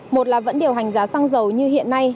một là vẫn điều hành giá xăng dầu như hiện nay